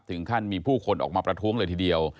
ถึงขั้นมีผู้คนออกมาประท้วงเลยทีเดียว